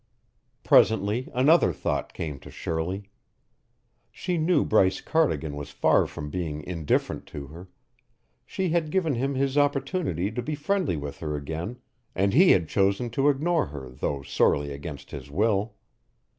Presently another thought came to Shirley. She knew Bryce Cardigan was far from being indifferent to her; she had given him his opportunity to be friendly with her again, and he had chosen to ignore her though sorely against his will.